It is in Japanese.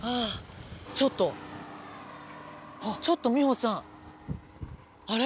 ちょっとちょっとミホさんあれ？